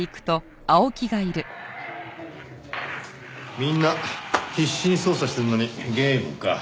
みんな必死に捜査してるのにゲームか？